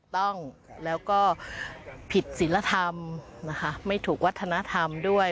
ต้องแล้วก็ผิดศิลธรรมนะคะไม่ถูกวัฒนธรรมด้วย